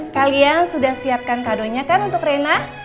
kalian sudah siapkan kadonya kan untuk rena